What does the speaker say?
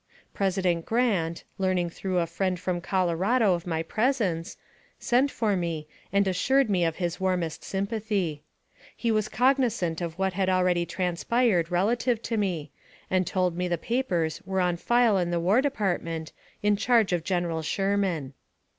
President Grant, learning through a friend from Colorado of my presence, sent for me, and assured me of his warmest sympathy. He was cognizant of what had already transpired relative to me, and told me the papers were on file in the War Department, in charge of General Sherman.